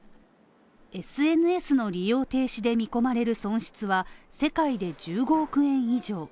ＳＮＳの利用停止で見込まれる損失は世界で１５億円以上。